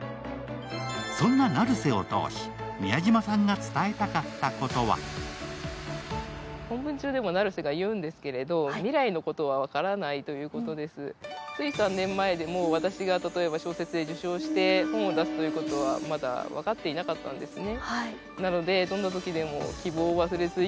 そんな成瀬を通し、宮島さんが伝えたかったことはつい３年前でも、私が例えば小説で受賞して、本を出すということはまだ分かっていなかったんですね。